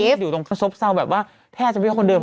อันนี้มาอยู่ตรงซพซ้าวแบบว่าแทบไม่ได้เข้าคนเดิน